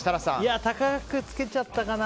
高くつけちゃったかな。